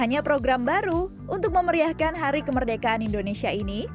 dan ada program baru untuk memeriahkan hari kemerdekaan indonesia ini